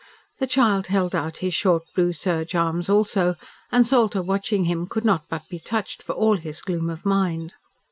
The child held out his short blue serge arms also, and Salter watching him could not but be touched for all his gloom of mind.